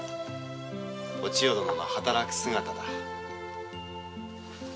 おちよ殿の働く姿だ。